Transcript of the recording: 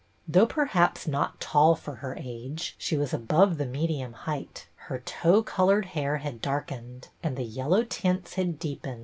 Though perhaps not tall for her age, she was above the me dium height, her tow colored hair had dark ened, and the yellow tints had deepened.